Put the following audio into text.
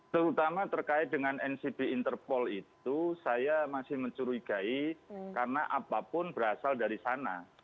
terutama terkait dengan ncb interpol itu saya masih mencurigai karena apapun berasal dari sana